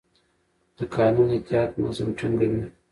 د قانون اطاعت نظم ټینګوي